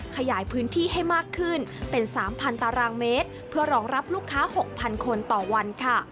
ขยายพื้นที่ให้มากขึ้นเป็น๓๐๐ตารางเมตรเพื่อรองรับลูกค้า๖๐๐คนต่อวันค่ะ